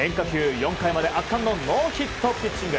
４回まで圧巻のノーヒットピッチング。